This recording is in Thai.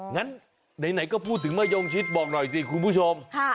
งั้นไหนก็พูดถึงมะยงชิดบอกหน่อยสิคุณผู้ชม